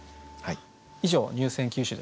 以上入選九首でした。